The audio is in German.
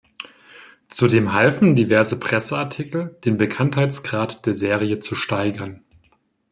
Zudem halfen diverse Presseartikel, den Bekanntheitsgrad der Serie zu steigern.